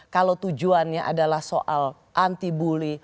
kalau tujuannya adalah soal anti bully